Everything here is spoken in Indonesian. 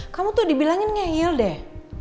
kamu tuh dibilangin nge heal deh